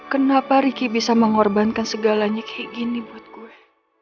kenapa ricky bisa mengorbankan segalanya kayak gini buat gue